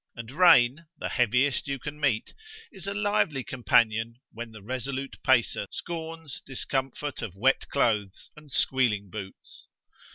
And rain, the heaviest you can meet, is a lively companion when the resolute pacer scorns discomfort of wet clothes and squealing boots.